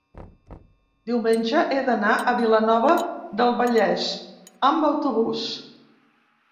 diumenge he d'anar a Vilanova del Vallès amb autobús.